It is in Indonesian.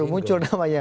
baru muncul namanya